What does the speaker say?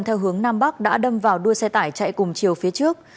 theo hướng nam bắc đã đâm vào đuôi xe tải chạy cùng chiều phía trước